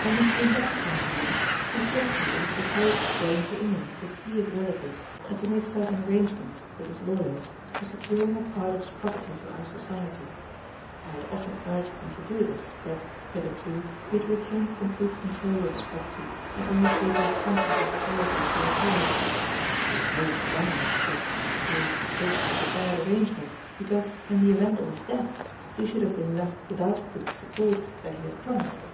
"When he came back from Bruges, he told me that he purposed going to England to see his relatives and to make certain arrangements with his lawyers for securing a part of his property to our Society. I had often urged him to do this, but, hitherto, he had retained complete control of his property and only paid the expenses of the Society as they occurred. He was most generous, but, of course, this was a bad arrangement, because, in the event of his death, we should have been left without the support that he had promised.